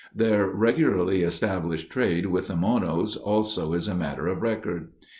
Their regularly established trade with the Monos also is a matter of record.